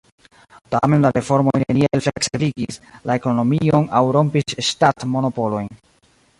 Tamen la reformoj neniel fleksebligis la ekonomion aŭ rompis ŝtatmonopolojn.